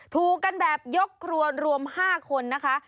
ถูกกันแบบยกครัวรวม๕คนนะคะ